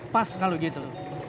pas kalau gitu